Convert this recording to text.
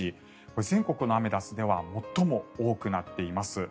全国のアメダスでは最も多くなっています。